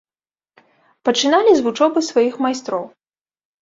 Пачыналі з вучобы сваіх майстроў.